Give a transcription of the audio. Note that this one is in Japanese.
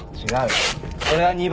それは２番目。